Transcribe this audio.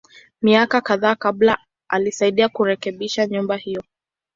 Miaka kadhaa kabla, alisaidia kurekebisha nyumba hiyo.